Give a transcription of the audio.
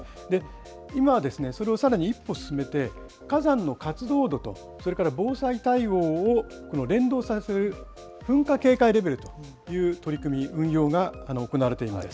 今はそれをさらに一歩進めて火山の活動度と、それから防災対応を連動させる噴火警戒レベルという取り組み、運用が行われているんです。